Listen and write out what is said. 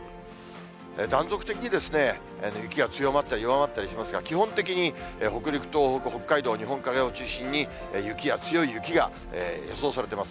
断続的に雪が強まったり弱まったりしますが、基本的に北陸、東北、北海道、日本海側を中心に、雪や強い雪が予想されてます。